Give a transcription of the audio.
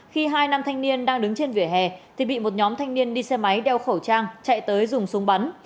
khi hai nam thanh niên đang đứng trên vỉa hè thì bị một nhóm thanh niên đi xe máy đeo khẩu trang chạy tới dùng súng bắn